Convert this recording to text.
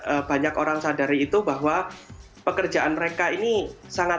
orang orang mulia sampai saat ini sendiri